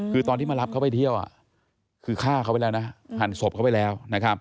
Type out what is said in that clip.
คือตอนที่มารับเขาไปเที่ยวคือฆ่าเขาไปแล้วนะหั่นศพเขาไปแล้วนะครับ